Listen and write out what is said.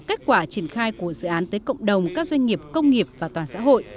kết quả triển khai của dự án tới cộng đồng các doanh nghiệp công nghiệp và toàn xã hội